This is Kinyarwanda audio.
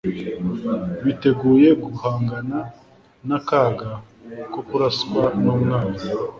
biteguye guhangana n'akaga ko kuraswa n'umwanzi